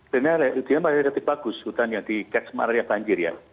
ternyata dia mengenai titik bagus hutan yang dikeks malaria banjir ya